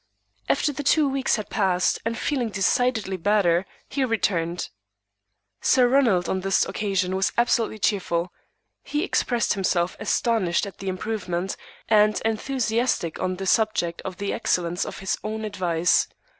After the two weeks had passed, and feeling decidedly better, he returned. Sir Ronald on this occasion was absolutely cheerful. He expressed himself astonished at the improvement, and enthusiastic on the subject of the excellence of his own advice.